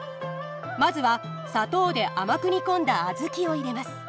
まずは砂糖で甘く煮込んだ小豆を入れます。